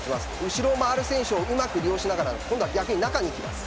後ろを回る選手をうまく利用しながら今度は中に行きます。